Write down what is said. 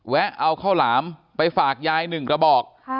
เอาข้าวหลามไปฝากยาย๑กระบอก